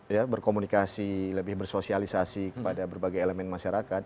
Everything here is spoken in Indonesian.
ya berkomunikasi lebih bersosialisasi kepada berbagai elemen masyarakat